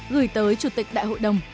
gửi tới chủ tịch đại hội đồng